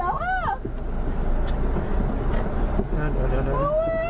พ่อแม่รีบขับรถติดหัวใจหยุดเต้น